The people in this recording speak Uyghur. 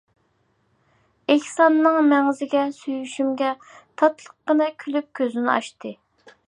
ئېھساننىڭ مەڭزىگە سۆيۈشۈمگە تاتلىققىنە كۈلۈپ كۆزىنى ئاچتى.